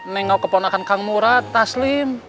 nengok keponakan kang murad taslim